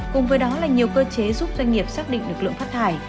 cùng với đó là nhiều cơ chế giúp doanh nghiệp xác định được lượng phát thải